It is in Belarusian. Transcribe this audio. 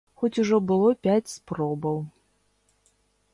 Хоць ужо было пяць спробаў.